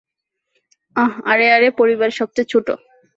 আহ, আরে, আরে, পরিবারে সবচেয়ে ছোট!